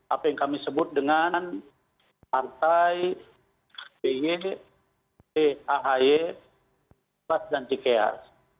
apa yang kami sebut dengan partai pahe pas dan ckr